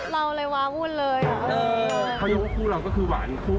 เราอะไรวะมึนเลยว